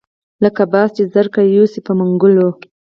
لکه باز چې زرکه یوسي په منګلو